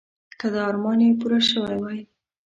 که دا ارمان یې پوره شوی وای.